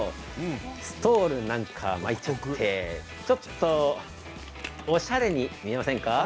ストールなんか巻いちゃってちょっとおしゃれに見えませんか。